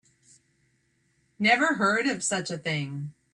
Never heard of such a thing.